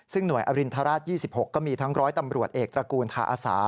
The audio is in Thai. ซึ่งหน่วยอรินทราช๒๖ก็มีทั้งร้อยตำรวจเอกตระกูลทาอาสา